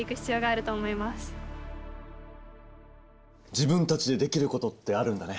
自分たちでできることってあるんだね。